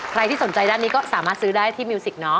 ใครที่สนใจด้านนี้ก็สามารถซื้อได้ที่มิวสิกเนาะ